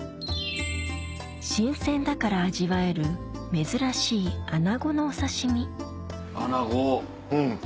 新鮮だから味わえる珍しいアナゴのお刺し身アナゴあ